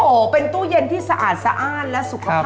โอ้โหเป็นตู้เย็นที่สะอาดสะอ้านและสุขภาพ